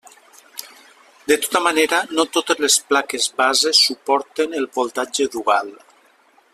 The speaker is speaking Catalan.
De tota manera, no totes les plaques base suporten el voltatge dual.